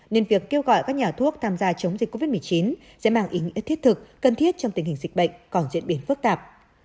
nên việc kêu gọi các nhà thuốc tham gia chống dịch covid một mươi chín sẽ mang ý nghĩa thiết thực cần thiết trong tình hình dịch bệnh còn diễn biến phức tạp